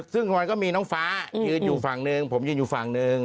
ซึ่งรอยก็มีน้องฟ้ายืนอยู่ฝั่งหนึ่งผมยืนอยู่ฝั่งหนึ่ง